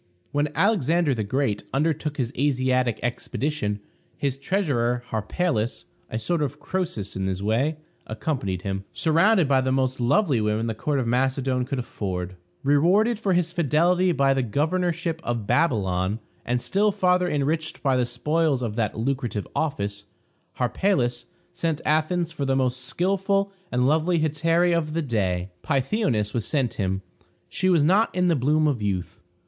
When Alexander the Great undertook his Asiatic expedition, his treasurer, Harpalus, a sort of Croesus in his way, accompanied him, surrounded by the most lovely women the court of Macedon could afford. Rewarded for his fidelity by the governorship of Babylon, and still farther enriched by the spoils of that lucrative office, Harpalus sent to Athens for the most skillful and lovely hetairæ of the day. Pythionice was sent him. She was not in the bloom of youth.